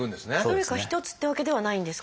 どれか一つってわけではないんですか？